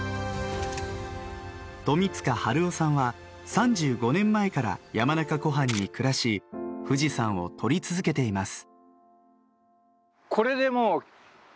冨塚晴夫さんは３５年前から山中湖畔に暮らし富士山を撮り続けています。